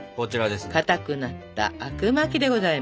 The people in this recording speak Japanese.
かたくなったあくまきでございます。